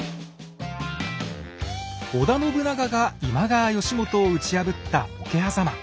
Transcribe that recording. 織田信長が今川義元を打ち破った